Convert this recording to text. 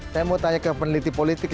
saya mau tanya ke peneliti politik